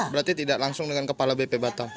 berarti tidak langsung dengan kepala bp batam